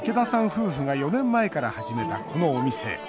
夫婦が４年前から始めた、このお店。